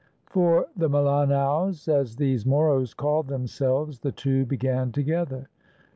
For the Malanaos, as these Moros called themselves, the two began together.